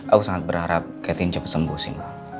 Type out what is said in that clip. aku sangat berharap catherine cepet sembuh sih mbak